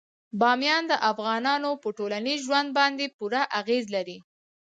بامیان د افغانانو په ټولنیز ژوند باندې پوره اغېز لري.